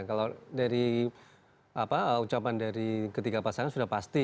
kalau dari ucapan dari ketiga pasangan sudah pasti